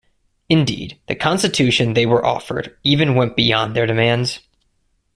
Indeed, the constitution they were offered even went beyond their demands.